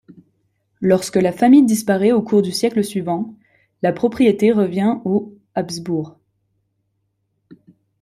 Lorsque la famille disparaît au cours du siècle suivant, la propriété revient aux Habsbourgs.